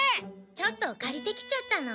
ちょっと借りてきちゃったの。